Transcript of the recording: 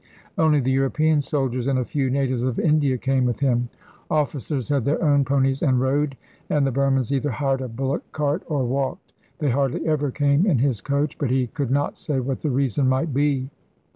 Only the European soldiers and a few natives of India came with him. Officers had their own ponies and rode, and the Burmans either hired a bullock cart or walked. They hardly ever came in his coach, but he could not say what the reason might be.